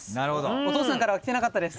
お父さんからは来てなかったです。